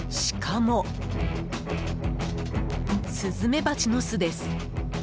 しかも、スズメバチの巣です。